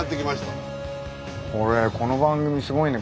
これこの番組すごいね。